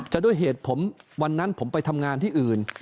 ด้วยเหตุผมวันนั้นผมไปทำงานที่อื่น